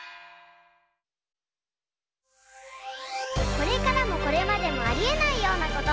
これからもこれまでもありえないようなこと。